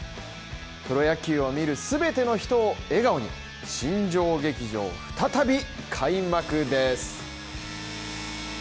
プロ野球を見る全ての人を笑顔に新庄劇場再び開幕です。